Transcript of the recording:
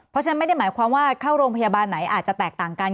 เพราะฉะนั้นไม่ได้หมายความว่าเข้าโรงพยาบาลไหนอาจจะแตกต่างกัน